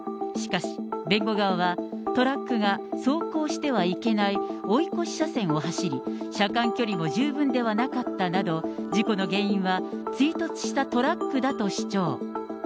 しかし、弁護側は、トラックが走行してはいけない追い越し車線を走り、車間距離も十分ではなかったなど、事故の原因は追突したトラックだと主張。